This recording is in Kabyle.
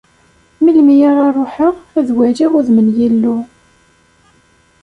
Melmi ara ruḥeɣ, ad waliɣ udem n Yillu?